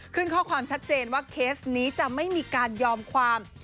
ข้อความชัดเจนว่าเคสนี้จะไม่มีการยอมความ